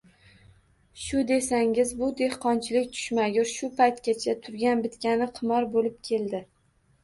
Shu desangiz, bu dehqonchilik tushmagur shu paytgacha turgan-bitgani qimor bo‘lib keldi